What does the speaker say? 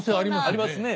ありますね。